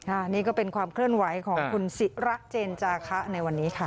อันนี้ก็เป็นความเคลื่อนไหวของคุณศิระเจนจาคะในวันนี้ค่ะ